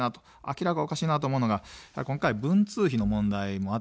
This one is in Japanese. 明らかにおかしいなと思うのが今回、文通費の問題もあったと思います。